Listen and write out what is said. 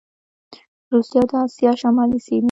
روسیه او د اسیا شمالي سیمي